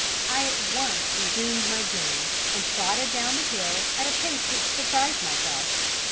I at once resumed my journey, and trotted down the hill at a pace which surprised myself.